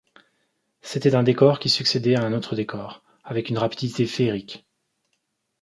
C’était un décor qui succédait à un autre décor, avec une rapidité féerique.